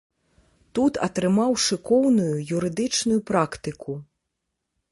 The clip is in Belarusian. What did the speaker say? Тут атрымаў шыкоўную юрыдычную практыку.